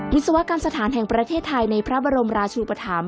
ศวกรรมสถานแห่งประเทศไทยในพระบรมราชูปธรรม